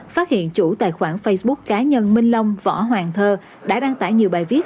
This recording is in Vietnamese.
phát hiện chủ tài khoản facebook cá nhân minh long võ hoàng thơ đã đăng tải nhiều bài viết